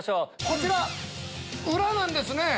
こちら裏なんですね。